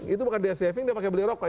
itu bukan dia saving dia pakai beli rokok